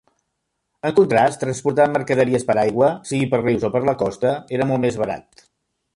En contrast, transportar mercaderies per aigua, sigui per rius o per la costa, era molt més barato.